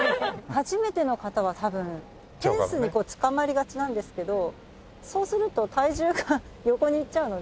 初めての方は多分フェンスにつかまりがちなんですけどそうすると体重が横にいっちゃうので。